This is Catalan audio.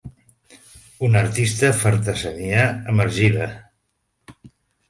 Un artista fa artesania amb argila.